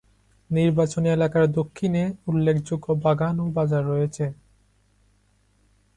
নির্বাচনী এলাকার দক্ষিণে উল্লেখযোগ্য বাগান ও বাজার রয়েছে।